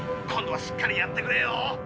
今度はしっかりやってくれよ。